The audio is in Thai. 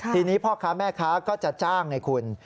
ทีนี้พ่อค้าแม่ค้าก็จะจ้างไงคุณ